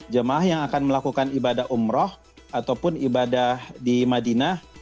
jemaah yang akan melakukan ibadah umroh ataupun ibadah di madinah